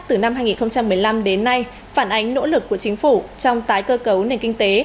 từ năm hai nghìn một mươi năm đến nay phản ánh nỗ lực của chính phủ trong tái cơ cấu nền kinh tế